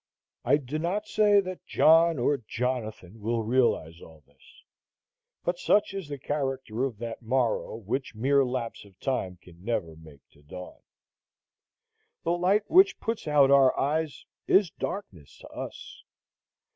I do not say that John or Jonathan will realize all this; but such is the character of that morrow which mere lapse of time can never make to dawn. The light which puts out our eyes is darkness to us.